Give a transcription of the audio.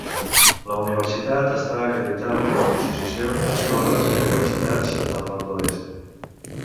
La universitat està acreditada per l'Associació d'Escoles i Universitats del Nord-oest.